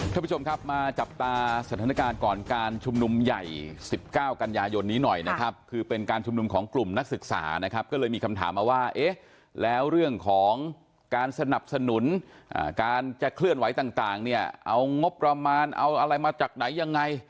ท่านผู้ชมครับมาจับตาสถานการณ์ก่อนการชุมนุมใหญ่๑๙กันยายนนี้หน่อยนะครับคือเป็นการชุมนุมของกลุ่มนักศึกษานะครับก็เลยมีคำถามมาว่าเอ๊ะแล้วเรื่องของการสนับสนุนการจะเคลื่อนไหวต่างเนี่ยเอางบประมาณเอาอะไรมาจากไหนยังไง